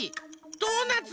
ドーナツ。